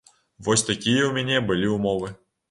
Вось такія ў мяне былі ўмовы.